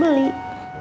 beli di mana